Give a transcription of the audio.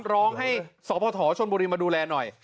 ร้องให้สพชนบุรีมาดูแลหน่อย